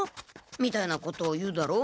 みたいなことを言うだろ？